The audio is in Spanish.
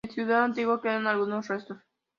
De la ciudad antigua quedan algunos restos.